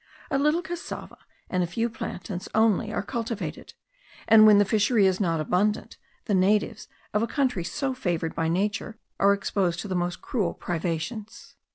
A little cassava and a few plantains only are cultivated; and when the fishery is not abundant, the natives of a country so favoured by nature are exposed to the most cruel privations.